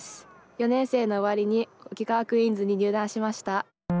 ４年生の終わりに桶川クイーンズに入団しました。